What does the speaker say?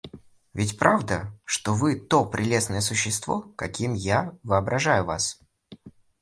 Ведь правда, что вы то прелестное существо, каким я воображаю вас?